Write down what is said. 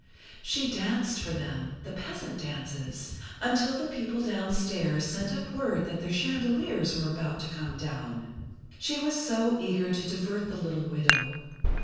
She danced for them—the peasant dances—until the people downstairs sent up word that their chandeliers were about to come down. She was so eager to divert the little widow.